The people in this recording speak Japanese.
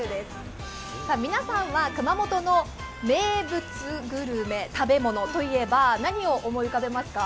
皆さんは熊本の名物グルメ、食べ物といえば何を思い浮かべますか？